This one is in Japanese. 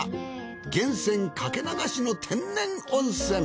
源泉かけ流しの天然温泉。